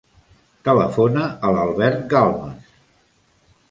Telefona a l'Albert Galmes.